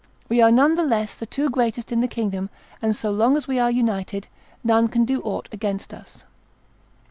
We are none the less the two greatest in the kingdom, and so long as we are united, none can do aught against us."